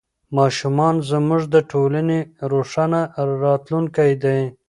ماشومان زموږ د ټولنې روښانه راتلونکی دی.